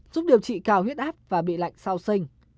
giúp điều trị cao huyết áp và bị lạnh sau sinh